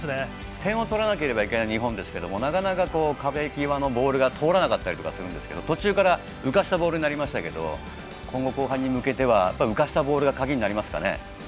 点を取らなければいけない日本ですけれどもなかなか壁際のボールが通らなかったりしますが途中から浮かしたボールになりましたが今後、後半に向けて浮かせたボールが鍵になりますかね。